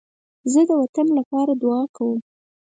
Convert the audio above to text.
زه د وطن لپاره دعا کوم